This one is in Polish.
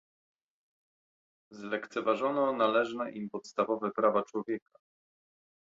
Zlekceważono należne im podstawowe prawa człowieka